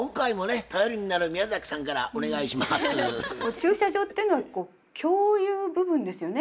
駐車場っていうのは共有部分ですよね。